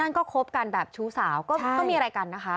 ก็คบกันแบบชู้สาวก็มีอะไรกันนะคะ